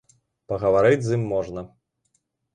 Пагаварыць з ім можна.